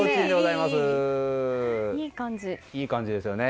いい感じですよね。